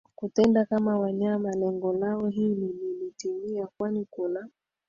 kutenda kama wanyama Lengo lao hili lilitimia kwani kuna